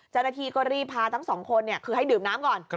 เจ้าหน้าที่ก็รีบพาทั้งสองคนคือให้ดื่มน้ำก่อน